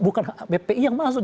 bukan fpi yang masuk